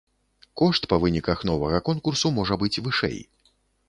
Кошт па выніках новага конкурсу можа быць вышэй.